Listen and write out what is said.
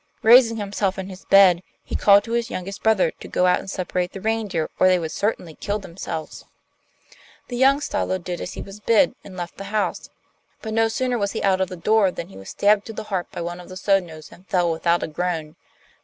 Raising himself in his bed, he called to his youngest brother to go out and separate the reindeer or they would certainly kill themselves. The young Stalo did as he was bid, and left the house; but no sooner was he out of the door than he was stabbed to the heart by one of the Sodnos, and fell without a groan.